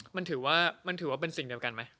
มันถือว่าเป็นสิ่งเดียวกันไหม